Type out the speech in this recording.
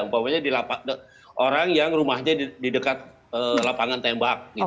maksudnya orang yang rumahnya di dekat lapangan tembak gitu